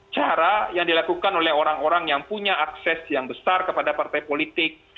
cara yang dilakukan oleh orang orang yang punya akses yang besar kepada partai politik